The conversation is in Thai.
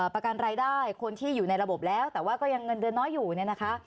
ประกันรายได้คนที่อยู่ในระบบแล้วแต่ว่าก็ยังเงินเดือนน้อยอยู่เนี่ยนะคะ